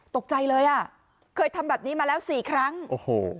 ตกใจเลยอ่ะเคยทำแบบนี้มาแล้วสี่ครั้งโอ้โห